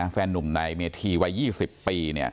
แฟนนุ่มในเมธีวัย๒๐ปี